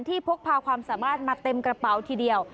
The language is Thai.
พกพาความสามารถมาเต็มกระเป๋าทีเดียว